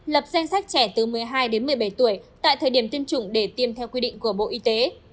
lập danh sách trẻ từ một mươi hai đến một mươi bảy tuổi tại thời điểm tiêm chủng để tiêm theo quy định của bộ y tế